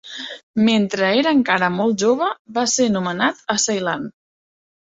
Mentre era encara molt jove va ser nomenat a Ceilan.